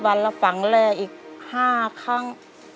๓๐วันแล้วฝังแร่อีก๕ครั้ง